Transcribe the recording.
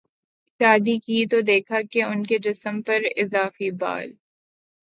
شادی کی تو دیکھا کہ ان کے جسم پراضافی بال